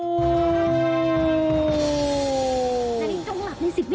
โอ้โฮ